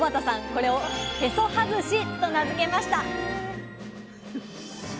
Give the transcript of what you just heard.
これを「へそ外し」と名付けました！